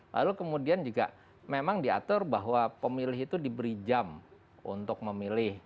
lalu kemudian juga memang diatur bahwa pemilih itu diberi jam untuk memilih